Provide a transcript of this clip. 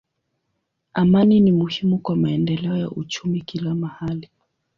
Amani ni muhimu kwa maendeleo ya uchumi kila mahali.